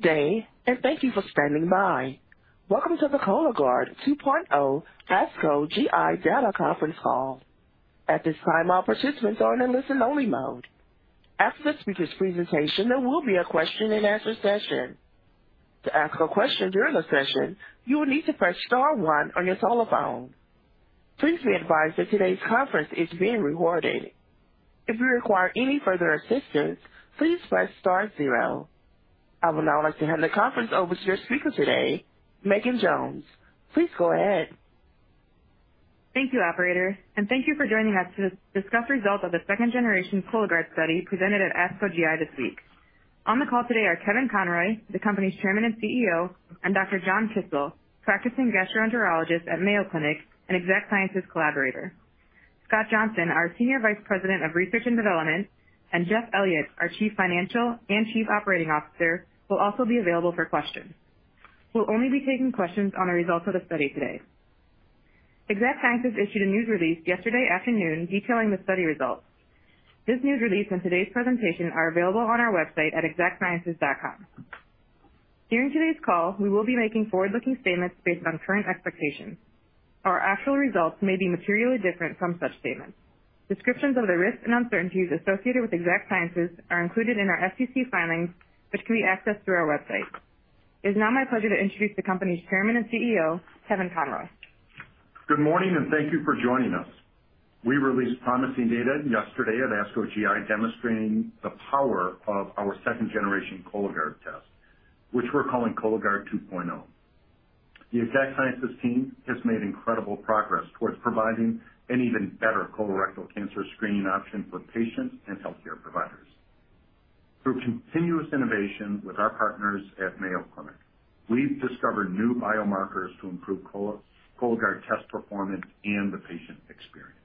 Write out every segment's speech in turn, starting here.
Good day, and thank you for standing by. Welcome to the Cologuard 2.0 ASCO GI Data Conference Call. At this time, all participants are in a listen only mode. After the speaker's presentation, there will be a question and answer session. To ask a question during the session, you will need to press star one on your telephone. Please be advised that today's conference is being recorded. If you require any further assistance, please press star zero. I would now like to hand the conference over to your speaker today, Megan Jones. Please go ahead. Thank you, operator, and thank you for joining us to discuss results of the second generation Cologuard study presented at ASCO GI this week. On the call today are Kevin Conroy, the company's Chairman and CEO, and Dr. John Kisiel, practicing gastroenterologist at Mayo Clinic and Exact Sciences collaborator. Scott Johnson, our Senior Vice President of Research and Development, and Jeff Elliott, our Chief Financial Officer and Chief Operating Officer, will also be available for questions. We'll only be taking questions on the results of the study today. Exact Sciences issued a news release yesterday afternoon detailing the study results. This news release and today's presentation are available on our website at exactsciences.com. During today's call, we will be making forward-looking statements based on current expectations. Our actual results may be materially different from such statements. Descriptions of the risks and uncertainties associated with Exact Sciences are included in our SEC filings, which can be accessed through our website. It is now my pleasure to introduce the company's Chairman and CEO, Kevin Conroy. Good morning, and thank you for joining us. We released promising data yesterday at ASCO GI, demonstrating the power of our second generation Cologuard test, which we're calling Cologuard 2.0. The Exact Sciences team has made incredible progress towards providing an even better colorectal cancer screening option for patients and healthcare providers. Through continuous innovation with our partners at Mayo Clinic, we've discovered new biomarkers to improve Cologuard test performance and the patient experience.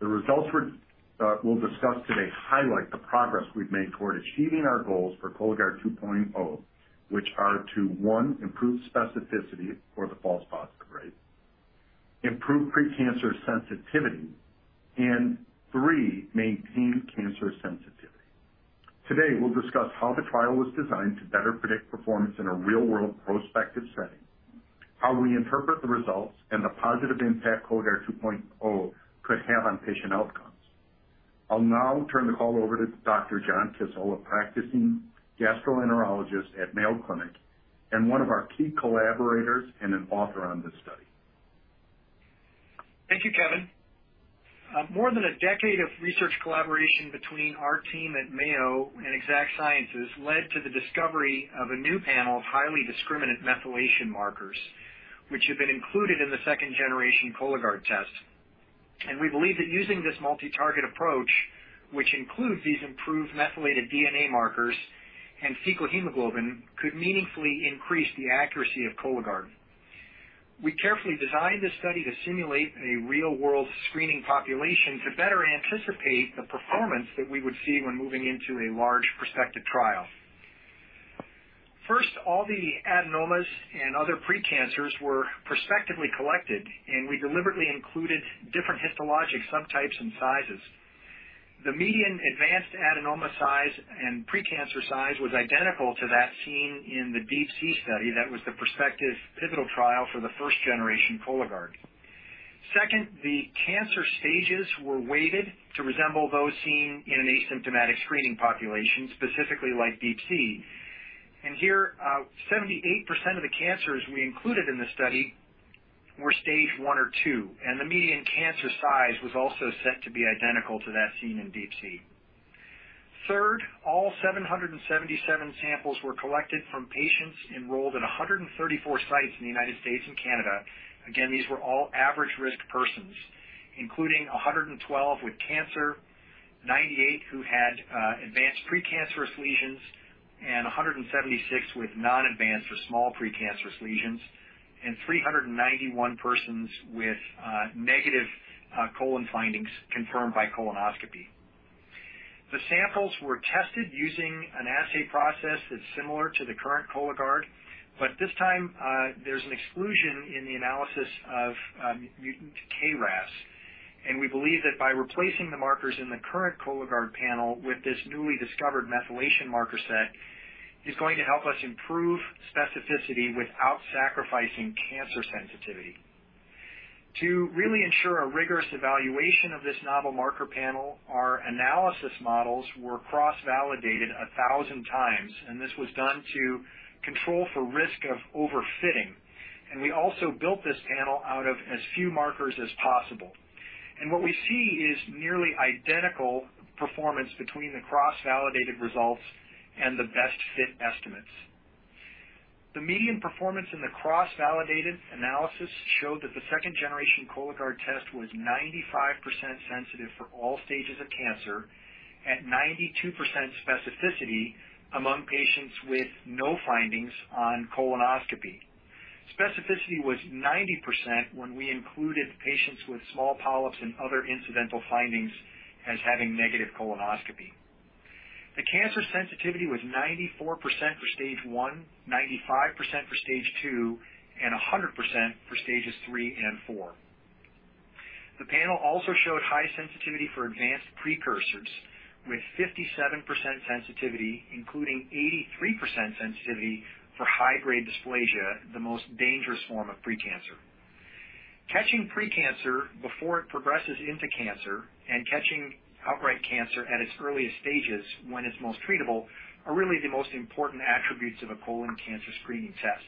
The results we'll discuss today highlight the progress we've made toward achieving our goals for Cologuard 2.0, which are to one, improve specificity for the false positive rate, improve precancer sensitivity, and three, maintain cancer sensitivity. Today, we'll discuss how the trial was designed to better predict performance in a real-world prospective setting, how we interpret the results and the positive impact Cologuard 2.0 could have on patient outcomes. I'll now turn the call over to Dr. John Kisiel, a practicing gastroenterologist at Mayo Clinic and one of our key collaborators and an author on this study. Thank you, Kevin. More than a decade of research collaboration between our team at Mayo and Exact Sciences led to the discovery of a new panel of highly discriminant methylation markers, which have been included in the second generation Cologuard test. We believe that using this multi-target approach, which includes these improved methylated DNA markers and fecal hemoglobin, could meaningfully increase the accuracy of Cologuard. We carefully designed this study to simulate a real-world screening population to better anticipate the performance that we would see when moving into a large prospective trial. First, all the adenomas and other precancers were prospectively collected, and we deliberately included different histologic subtypes and sizes. The median advanced adenoma size and precancer size was identical to that seen in the DeeP-C study. That was the prospective pivotal trial for the first generation Cologuard. Second, the cancer stages were weighted to resemble those seen in an asymptomatic screening population, specifically like DeeP-C. Here, 78% of the cancers we included in the study were stage one or two, and the median cancer size was also set to be identical to that seen in DeeP-C. Third, all 777 samples were collected from patients enrolled in 134 sites in the United States and Canada. Again, these were all average-risk persons, including 112 with cancer, 98 who had advanced precancerous lesions and 176 with non-advanced or small precancerous lesions and 391 persons with negative colon findings confirmed by colonoscopy. The samples were tested using an assay process that's similar to the current Cologuard, but this time, there's an exclusion in the analysis of mutant KRAS. We believe that by replacing the markers in the current Cologuard panel with this newly discovered methylation marker set is going to help us improve specificity without sacrificing cancer sensitivity. To really ensure a rigorous evaluation of this novel marker panel, our analysis models were cross-validated 1,000 times, and this was done to control for risk of overfitting. We also built this panel out of as few markers as possible. What we see is nearly identical performance between the cross-validated results and the best fit estimates. The median performance in the cross-validated analysis showed that the second generation Cologuard test was 95% sensitive for all stages of cancer at 92% specificity among patients with no findings on colonoscopy. Specificity was 90% when we included patients with small polyps and other incidental findings as having negative colonoscopy. The cancer sensitivity was 94% for stage one, 95% for stage two, and 100% for stages three and four. The panel also showed high sensitivity for advanced precursors with 57% sensitivity, including 83% sensitivity for high-grade dysplasia, the most dangerous form of pre-cancer. Catching pre-cancer before it progresses into cancer and catching outright cancer at its earliest stages when it's most treatable are really the most important attributes of a colon cancer screening test.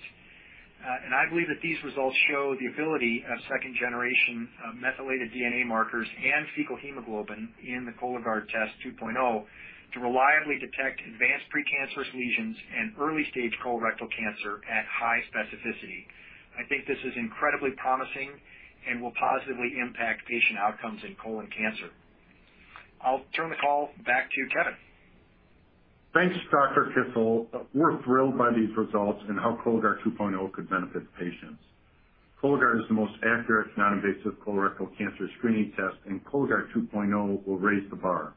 I believe that these results show the ability of second generation methylated DNA markers and fecal hemoglobin in the Cologuard 2.0 test to reliably detect advanced precancerous lesions and early-stage colorectal cancer at high specificity. I think this is incredibly promising and will positively impact patient outcomes in colon cancer. I'll turn the call back to Kevin. Thanks, Dr. Kisiel. We're thrilled by these results and how Cologuard 2.0 could benefit patients. Cologuard is the most accurate, non-invasive colorectal cancer screening test, and Cologuard 2.0 will raise the bar,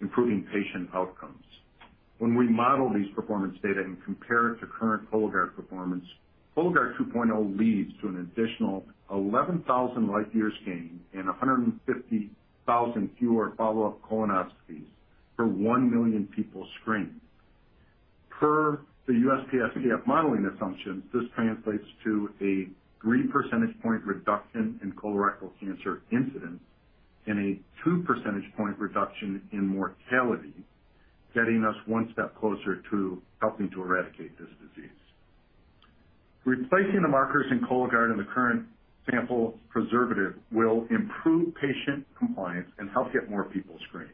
improving patient outcomes. When we model these performance data and compare it to current Cologuard performance, Cologuard 2.0 leads to an additional 11,000 life years gain and 150,000 fewer follow-up colonoscopies for 1 million people screened. Per the USPSTF modeling assumptions, this translates to a 3 percentage point reduction in colorectal cancer incidence and a 2 percentage point reduction in mortality, getting us one step closer to helping to eradicate this disease. Replacing the markers in Cologuard in the current sample preservative will improve patient compliance and help get more people screened.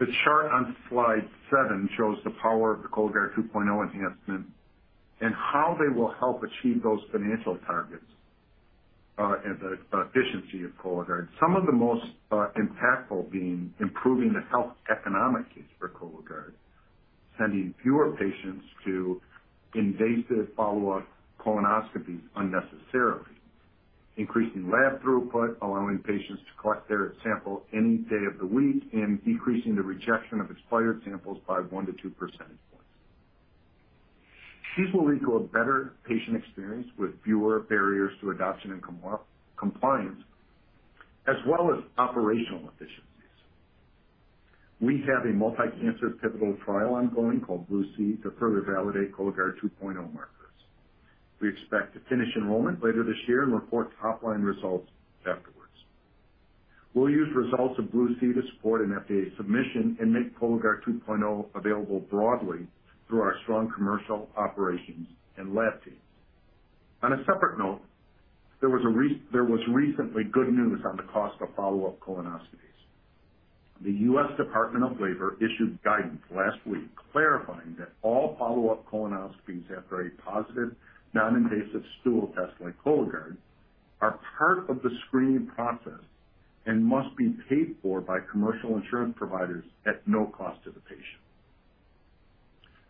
The chart on slide 7 shows the power of the Cologuard 2.0 enhancement and how they will help achieve those financial targets, and the efficiency of Cologuard. Some of the most impactful being improving the health economics for Cologuard, sending fewer patients to invasive follow-up colonoscopies unnecessarily, increasing lab throughput, allowing patients to collect their sample any day of the week, and decreasing the rejection of expired samples by 1%-2% points. These will lead to a better patient experience with fewer barriers to adoption and compliance, as well as operational efficiencies. We have a multi-cancer pivotal trial ongoing called BLUE C to further validate Cologuard 2.0 markers. We expect to finish enrollment later this year and report top-line results afterwards. We'll use results of BLUE C to support an FDA submission and make Cologuard 2.0 available broadly through our strong commercial operations and lab teams. On a separate note, there was recently good news on the cost of follow-up colonoscopies. The US Department of Labor issued guidance last week clarifying that all follow-up colonoscopies after a positive, non-invasive stool test like Cologuard are part of the screening process and must be paid for by commercial insurance providers at no cost to the patient.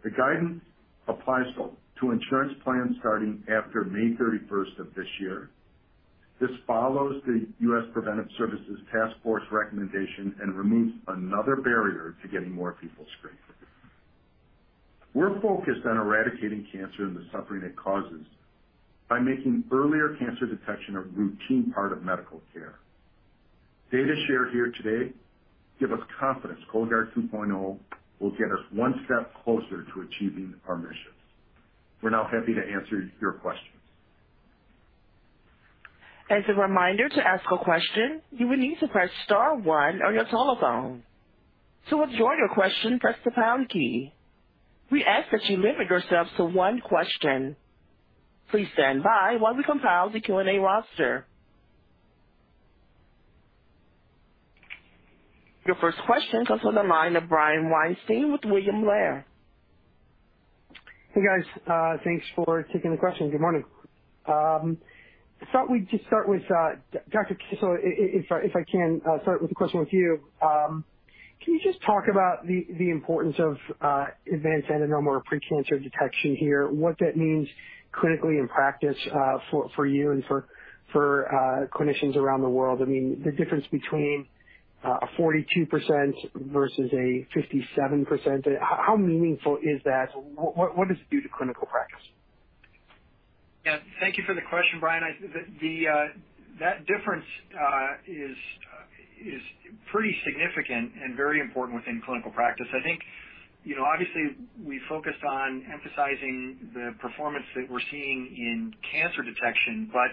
The guidance applies to insurance plans starting after May thirty-first of this year. This follows the US Preventive Services Task Force recommendation and removes another barrier to getting more people screened. We're focused on eradicating cancer and the suffering it causes by making earlier cancer detection a routine part of medical care. Data shared here today give us confidence Cologuard 2.0 will get us one step closer to achieving our mission. We're now happy to answer your questions. As a reminder, to ask a question, you will need to press star one on your telephone. To withdraw your question, press the pound key. We ask that you limit yourselves to one question. Please stand by while we compile the Q&A roster. Your first question comes from the line of Brian Weinstein with William Blair. Hey, guys. Thanks for taking the question. Good morning. I thought we'd just start with Dr. Kisiel, if I can start with a question with you. Can you just talk about the importance of advanced adenoma or precancer detection here, what that means clinically in practice, for you and for clinicians around the world? I mean, the difference between a 42% versus a 57%. How meaningful is that? What does it do to clinical practice? Yeah. Thank you for the question, Brian. The difference is pretty significant and very important within clinical practice. I think, you know, obviously we focused on emphasizing the performance that we're seeing in cancer detection, but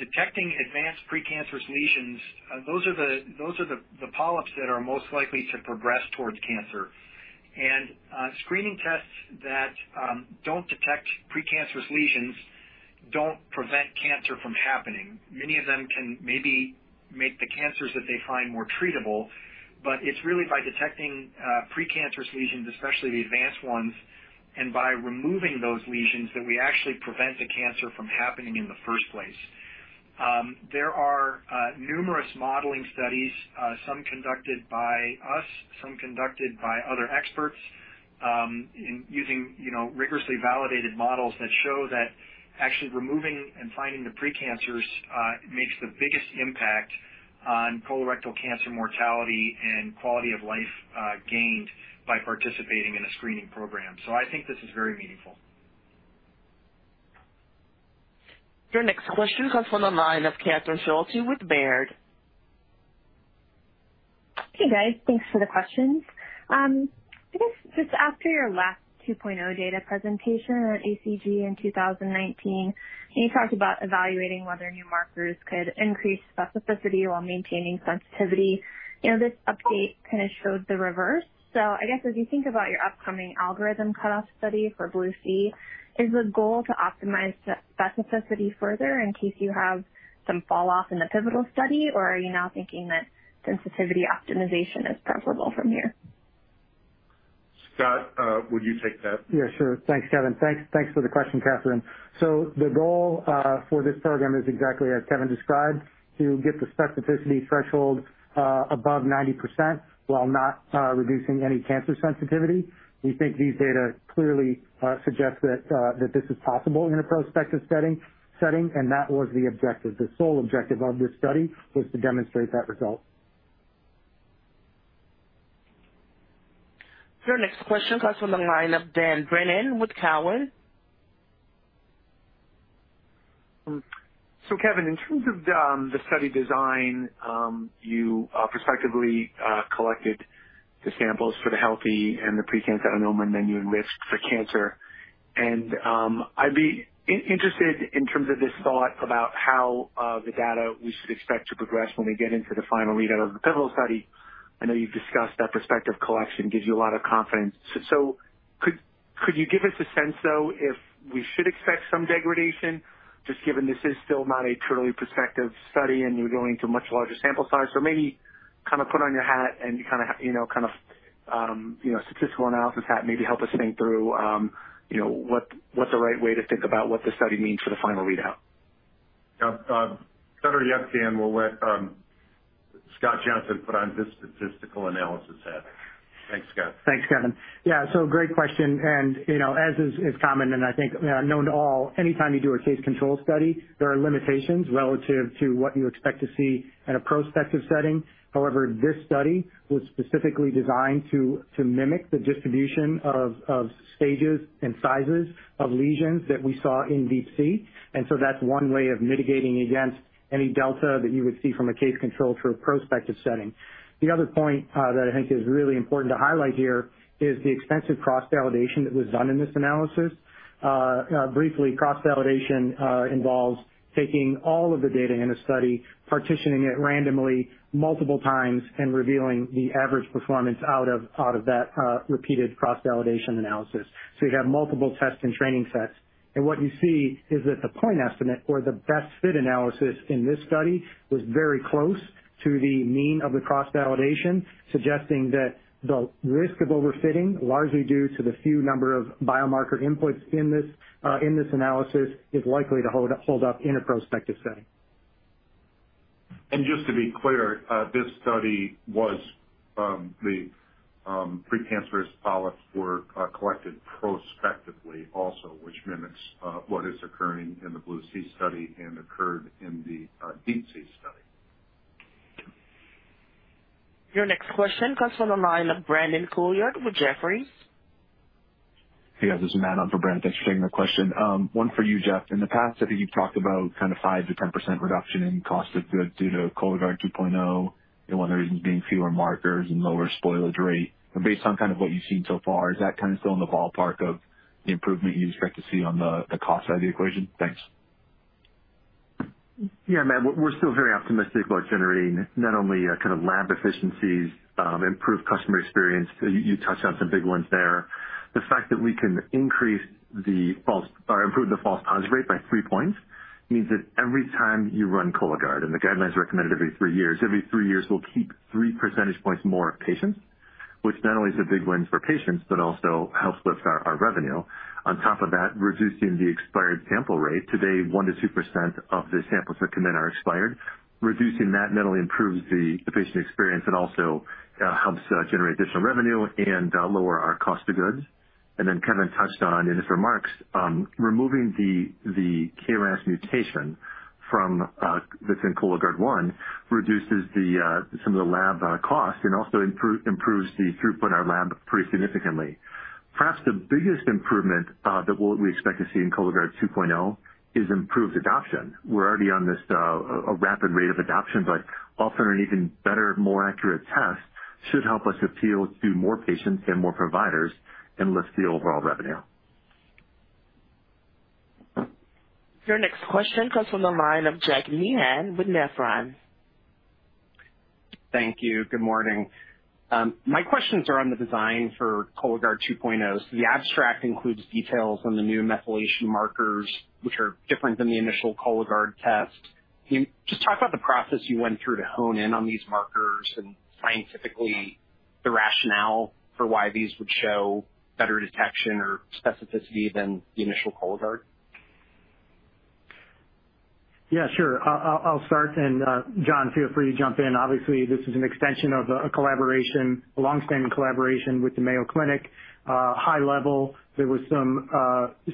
detecting advanced precancerous lesions, those are the polyps that are most likely to progress towards cancer. Screening tests that don't detect precancerous lesions don't prevent cancer from happening. Many of them can maybe make the cancers that they find more treatable, but it's really by detecting precancerous lesions, especially the advanced ones, and by removing those lesions that we actually prevent the cancer from happening in the first place. There are numerous modeling studies, some conducted by us, some conducted by other experts, in using, you know, rigorously validated models that show that actually removing and finding the precancers makes the biggest impact. On colorectal cancer mortality and quality of life gained by participating in a screening program. I think this is very meaningful. Your next question comes from the line of Catherine Schulte with Baird. Hey, guys. Thanks for the questions. I guess just after your last 2.0 data presentation at ACG in 2019, and you talked about evaluating whether new markers could increase specificity while maintaining sensitivity. You know, this update kind of shows the reverse. I guess, as you think about your upcoming algorithm cutoff study for BLUE C, is the goal to optimize specificity further in case you have some falloff in the pivotal study, or are you now thinking that sensitivity optimization is preferable from here? Scott, would you take that? Yeah, sure. Thanks, Kevin. Thanks for the question, Catherine. The goal for this program is exactly as Kevin described, to get the specificity threshold above 90% while not reducing any cancer sensitivity. We think these data clearly suggest that this is possible in a prospective setting, and that was the objective. The sole objective of this study was to demonstrate that result. Your next question comes from the line of Dan Brennan with Cowen. Kevin, in terms of the study design, you prospectively collected the samples for the healthy and the precancerous adenoma, and then you analyzed for cancer. I'd be interested in terms of this thought about how the data we should expect to progress when we get into the final readout of the pivotal study. I know you've discussed that prospective collection gives you a lot of confidence. Could you give us a sense, though, if we should expect some degradation, just given this is still not a totally prospective study and you're going to a much larger sample size? Maybe kind of put on your hat and kind of, you know, kind of, you know, statistical analysis hat, maybe help us think through, you know, what's the right way to think about what this study means for the final readout. Yeah. Better yet, Dan, we'll let Scott Johnson put on his statistical analysis hat. Thanks, Scott. Thanks, Kevin. Yeah, great question. You know, as is common, and I think known to all, anytime you do a case control study, there are limitations relative to what you expect to see in a prospective setting. However, this study was specifically designed to mimic the distribution of stages and sizes of lesions that we saw in DeeP-C. That's one way of mitigating against any delta that you would see from a case control to a prospective setting. The other point that I think is really important to highlight here is the extensive cross-validation that was done in this analysis. Briefly, cross-validation involves taking all of the data in a study, partitioning it randomly multiple times and revealing the average performance out of that repeated cross-validation analysis. You'd have multiple tests and training sets. What you see is that the point estimate or the best fit analysis in this study was very close to the mean of the cross-validation, suggesting that the risk of overfitting, largely due to the few number of biomarker inputs in this analysis, is likely to hold up in a prospective setting. Just to be clear, precancerous polyps were collected prospectively also, which mimics what is occurring in the BLUE C study and occurred in the DeeP-C study. Your next question comes from the line of Brandon Couillard with Jefferies. Hey, guys. This is Matt on for Brandon. Thanks for taking the question. One for you, Jeff. In the past, I think you've talked about kind of 5%-10% reduction in cost of goods due to Cologuard 2.0, and one of the reasons being fewer markers and lower spoilage rate. Based on kind of what you've seen so far, is that kind of still in the ballpark of the improvement you'd expect to see on the cost side of the equation? Thanks. Yeah, Matt, we're still very optimistic about generating not only kind of lab efficiencies, improved customer experience. You touched on some big ones there. The fact that we can improve the false positive rate by 3 points means that every time you run Cologuard, and the guidelines recommend it every 3 years, we'll keep 3 percentage points more patients, which not only is a big win for patients, but also helps lift our revenue. On top of that, reducing the expired sample rate, today, 1%-2% of the samples that come in are expired. Reducing that not only improves the patient experience and also helps generate additional revenue and lower our cost of goods. Kevin touched on in his remarks removing the KRAS mutation from that's in Cologuard 1 reduces some of the lab cost and also improves the throughput in our lab pretty significantly. Perhaps the biggest improvement that we expect to see in Cologuard 2.0 is improved adoption. We're already on this a rapid rate of adoption, but offering an even better, more accurate test should help us appeal to more patients and more providers and lift the overall revenue. Your next question comes from the line of Jack Meehan with Nephron. Thank you. Good morning. My questions are on the design for Cologuard 2.0. The abstract includes details on the new methylation markers, which are different than the initial Cologuard test. Can you just talk about the process you went through to hone in on these markers and scientifically the rationale for why these would show better detection or specificity than the initial Cologuard? Yeah, sure. I'll start and, John, feel free to jump in. Obviously, this is an extension of a collaboration, a long-standing collaboration with the Mayo Clinic. High level, there was some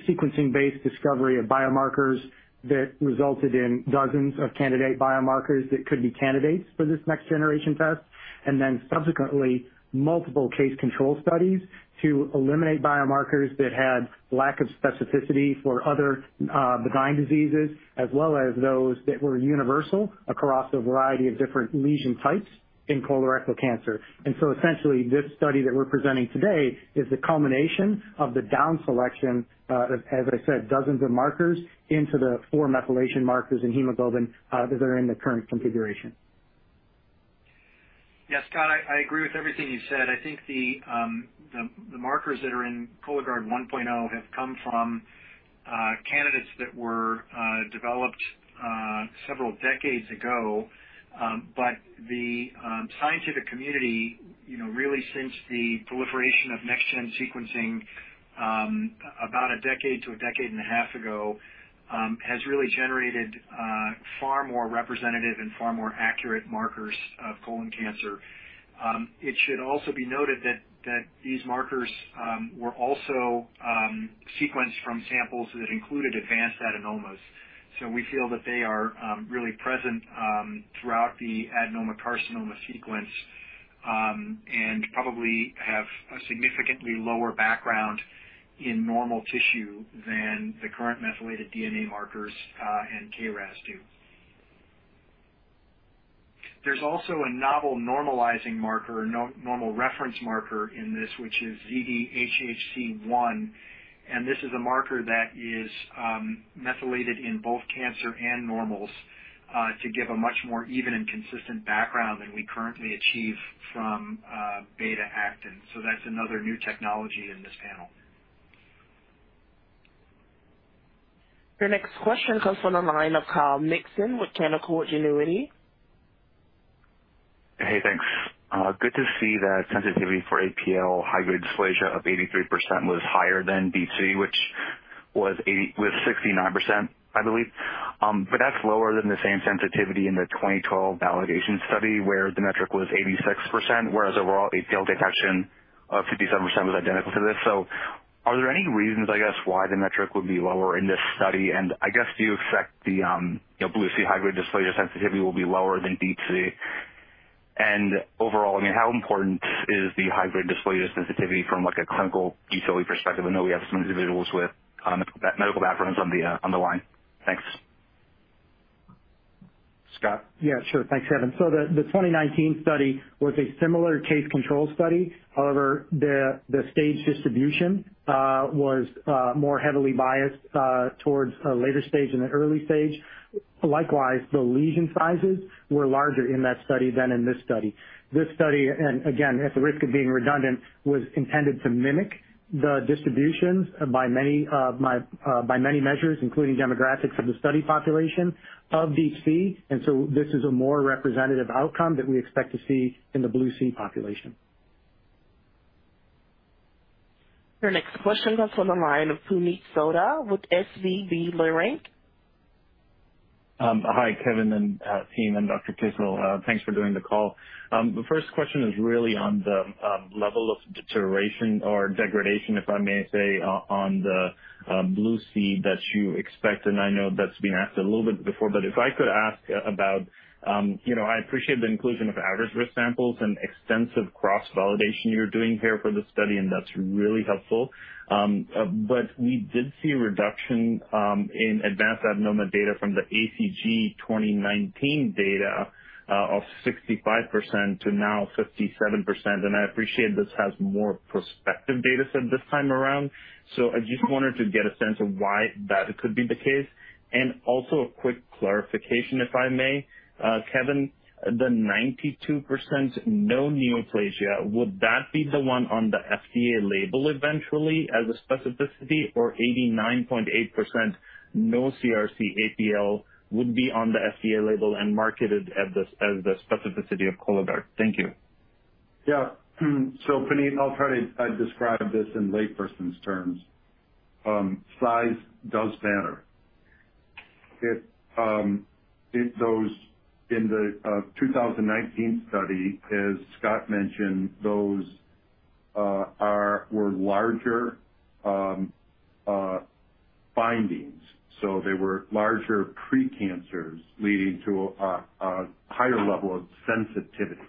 sequencing-based discovery of biomarkers that resulted in dozens of candidate biomarkers that could be candidates for this next-generation test. Subsequently, multiple case control studies to eliminate biomarkers that had lack of specificity for other, benign diseases, as well as those that were universal across a variety of different lesion types in colorectal cancer. Essentially, this study that we're presenting today is the culmination of the down selection, as I said, dozens of markers into the four methylation markers and hemoglobin, that are in the current configuration. Yes, Scott, I agree with everything you said. I think the markers that are in Cologuard 1.0 have come from candidates that were developed several decades ago. The scientific community, you know, really since the proliferation of next-gen sequencing, about a decade to a decade and a half ago, has really generated far more representative and far more accurate markers of colon cancer. It should also be noted that these markers were also sequenced from samples that included advanced adenomas. We feel that they are really present throughout the adenoma-carcinoma sequence and probably have a significantly lower background in normal tissue than the current methylated DNA markers and KRAS do. There's also a novel normalizing marker, normal reference marker in this, which is ZDHHC1, and this is a marker that is methylated in both cancer and normals, to give a much more even and consistent background than we currently achieve from beta-actin. That's another new technology in this panel. Your next question comes from the line of Kyle Mikson with Canaccord Genuity. Hey, thanks. Good to see that sensitivity for APL high-grade dysplasia of 83% was higher than DeeP-C, which was sixty-nine percent, I believe. But that's lower than the same sensitivity in the 2012 validation study, where the metric was 86%, whereas overall APL detection of 57% was identical to this. Are there any reasons, I guess, why the metric would be lower in this study? I guess, do you expect the, you know, BLUE C high-grade dysplasia sensitivity will be lower than DeeP-C? Overall, I mean, how important is the high-grade dysplasia sensitivity from like a clinical utility perspective? I know we have some individuals with that medical backgrounds on the line. Thanks. Scott? Yeah, sure. Thanks, Kevin. The 2019 study was a similar case control study. However, the stage distribution was more heavily biased towards a later stage and an early stage. Likewise, the lesion sizes were larger in that study than in this study. This study, and again, at the risk of being redundant, was intended to mimic the distributions by many measures, including demographics of the study population of DeeP-C. This is a more representative outcome that we expect to see in the BLUE C population. Your next question comes from the line of Puneet Souda with SVB Leerink. Hi, Kevin and team and Dr. Kisiel. Thanks for doing the call. The first question is really on the level of deterioration or degradation, if I may say, on the Blue C that you expect, and I know that's been asked a little bit before, but if I could ask about, you know, I appreciate the inclusion of average risk samples and extensive cross-validation you're doing here for the study, and that's really helpful. But we did see a reduction in advanced adenoma data from the ACG 2019 data of 65% to now 57%. I appreciate this has more prospective data set this time around. I just wanted to get a sense of why that could be the case. Also a quick clarification, if I may. Kevin, the 92% no neoplasia, would that be the one on the FDA label eventually as a specificity or 89.8% no CRC APL would be on the FDA label and marketed as the specificity of Cologuard? Thank you. Yeah. Puneet, I'll try to describe this in layperson's terms. Size does matter. Those in the 2019 study, as Scott mentioned, those were larger findings. They were larger pre-cancers leading to a higher level of sensitivity.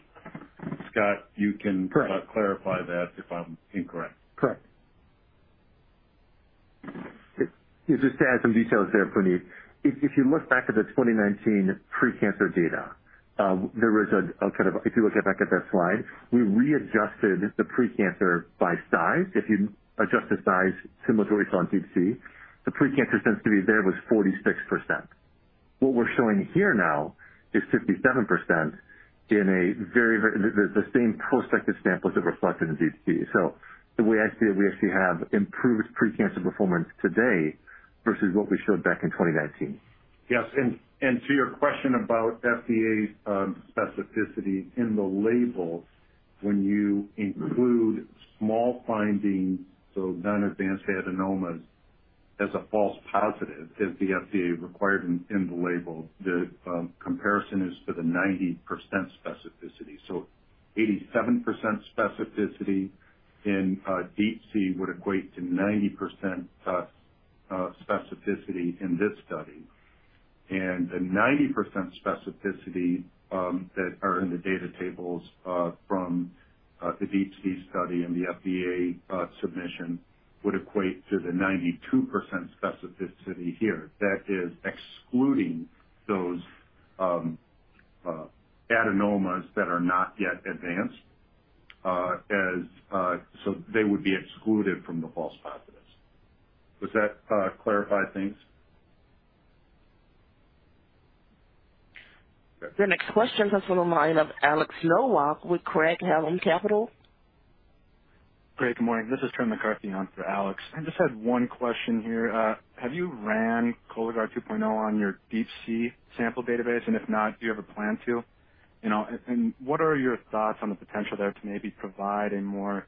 Scott, you can- Correct. Clarify that if I'm incorrect. Correct. Just to add some details there, Puneet. If you look back at the 2019 precancer data. If you look back at that slide, we readjusted the precancer by size. If you adjust the size similarly on DeeP-C, the precancer sensitivity there was 46%. What we're showing here now is 57% in the same prospective samples that reflected in DeeP-C. The way I see it, we actually have improved precancer performance today versus what we showed back in 2019. Yes. To your question about FDA's specificity in the label. When you include small findings, so non-advanced adenomas as a false positive, as the FDA required in the label, the comparison is to the 90% specificity. 87% specificity in DeeP-C would equate to 90% specificity in this study. The 90% specificity that are in the data tables from the DeeP-C study and the FDA submission would equate to the 92% specificity here. That is excluding those adenomas that are not yet advanced as. They would be excluded from the false positives. Does that clarify things? Your next question comes from the line of Alex Nowak with Craig-Hallum Capital. Craig, good morning. This is Tom McCarthy on for Alex. I just had one question here. Have you ran Cologuard 2.0 on your DeeP-C sample database? If not, do you have a plan to? You know, and what are your thoughts on the potential there to maybe provide a more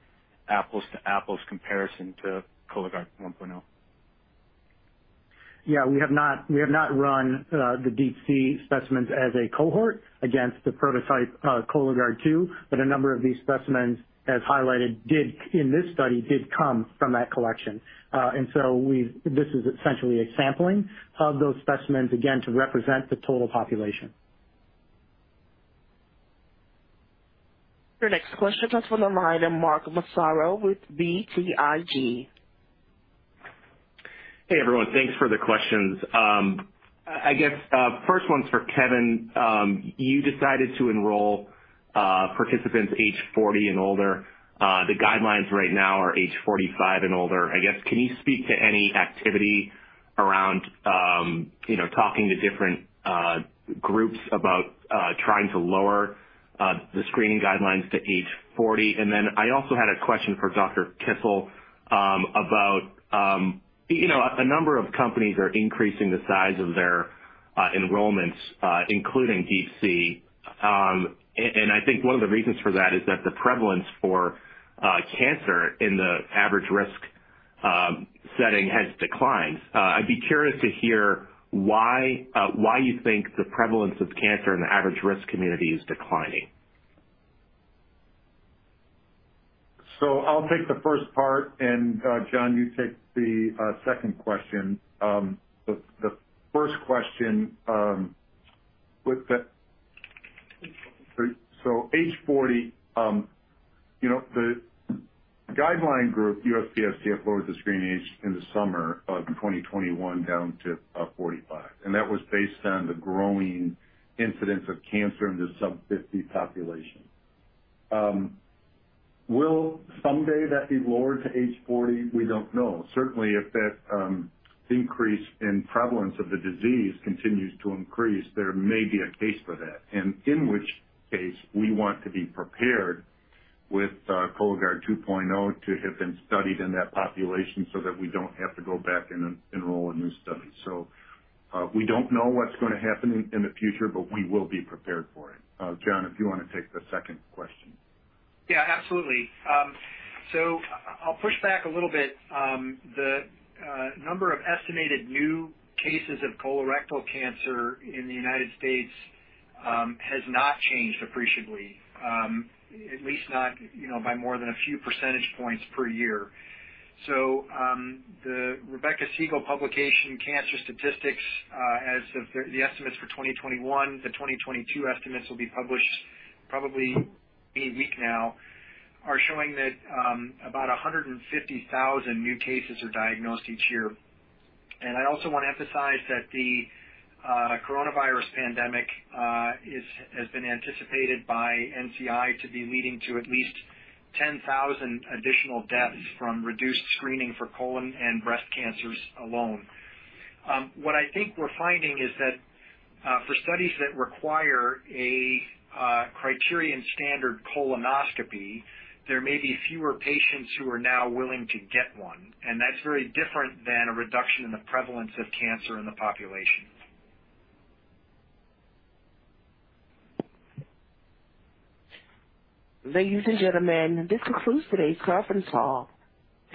apples to apples comparison to Cologuard 1.0? Yeah, we have not run the DeeP-C specimens as a cohort against the prototype Cologuard 2.0, but a number of these specimens, as highlighted, did in this study come from that collection. This is essentially a sampling of those specimens, again, to represent the total population. Your next question comes from the line of Mark Massaro with BTIG. Hey, everyone. Thanks for the questions. First one's for Kevin. You decided to enroll participants age 40 and older. The guidelines right now are age 45 and older. I guess, can you speak to any activity around, you know, talking to different groups about trying to lower the screening guidelines to age 40? And then I also had a question for Dr. Kisiel, about, you know, a number of companies are increasing the size of their enrollments, including DeeP-C. And I think one of the reasons for that is that the prevalence for cancer in the average risk setting has declined. I'd be curious to hear why you think the prevalence of cancer in the average risk community is declining. I'll take the first part, and, John, you take the second question. The first question was that. Age 40, you know, the guideline group, USPSTF, lowered the screening age in the summer of 2021 down to 45. That was based on the growing incidence of cancer in the sub-50 population. Will someday that be lowered to age 40? We don't know. Certainly, if that increase in prevalence of the disease continues to increase, there may be a case for that. In which case, we want to be prepared with Cologuard 2.0 to have been studied in that population so that we don't have to go back and enroll a new study. We don't know what's gonna happen in the future, but we will be prepared for it. John, if you wanna take the second question. Yeah, absolutely. I'll push back a little bit. The number of estimated new cases of colorectal cancer in the United States has not changed appreciably, at least not, you know, by more than a few percentage points per year. The Rebecca Siegel publication cancer statistics, as of the estimates for 2021, the 2022 estimates will be published probably any week now, are showing that about 150,000 new cases are diagnosed each year. I also want to emphasize that the coronavirus pandemic has been anticipated by NCI to be leading to at least 10,000 additional deaths from reduced screening for colon and breast cancers alone. What I think we're finding is that, for studies that require a criterion standard colonoscopy, there may be fewer patients who are now willing to get one, and that's very different than a reduction in the prevalence of cancer in the population. Ladies and gentlemen, this concludes today's conference call.